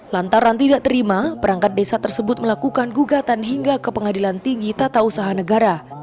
lantaran tidak terima perangkat desa tersebut melakukan gugatan hingga ke pengadilan tinggi tata usaha negara